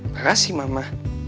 makasih mama